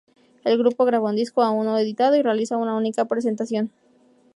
El grupo graba un disco, aún no editado, y realiza una única presentación.